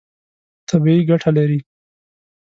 طبیعي ګټه لري.